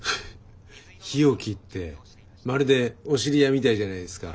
日置ってまるでお知り合いみたいじゃないですか。